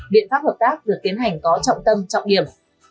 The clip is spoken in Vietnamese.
biện pháp hợp tác được tiến hành có trọng tâm trọng điểm